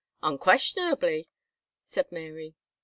"Unquestionably," said Mary.